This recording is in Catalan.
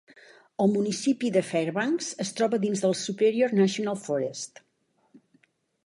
El municipi de Fairbanks es troba dins del Superior National Forest.